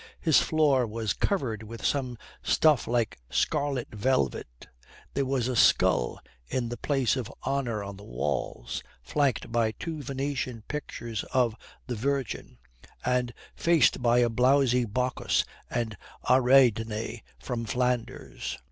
His floor was covered with some stuff like scarlet velvet. There was a skull in the place of honour on the walls, flanked by two Venetian pictures of the Virgin, and faced by a blowsy Bacchus and Ariadne from Flanders.